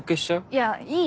いやいい。